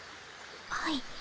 はい。